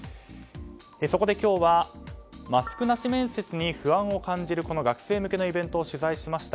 そこで今日はマスクなし面接に不安を感じるこの学生向けのイベントを取材しました。